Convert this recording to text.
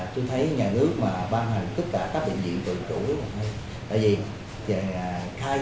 tôi thấy nhà nước mà ban hành tất cả các bệnh viện tự chủ rất là hay